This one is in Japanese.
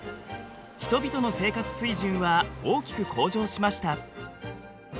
人々の生活水準は大きく向上しました。